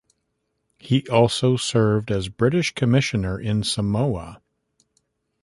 He also served as British Commissioner in Samoa.